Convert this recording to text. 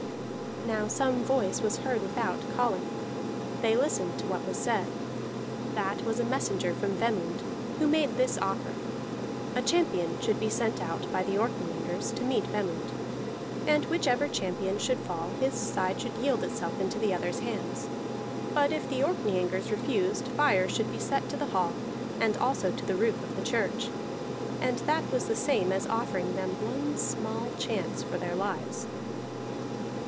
Now some voice was heard without, calling; they listened to what was said. That was a messenger from Vemund, who made this offer: a champion should be sent out by the Orkneyingers, to meet Vemund, and whichever champion should fall, his side should yield itself into the other's hands. But if the Orkneyingers refused, fire should be set to the hall and also to the roof of the church. And that was the same as offering them one small chance for their lives.